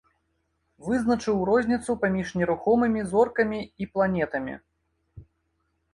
Вызначыў розніцу паміж нерухомымі зоркамі і планетамі.